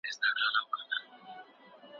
ستا د ساندو په دېوان کي له مُسکا څخه لار ورکه.